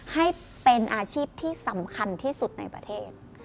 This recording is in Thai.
ให้เป็นอาชีพที่สำคัญที่สุดในประเทศ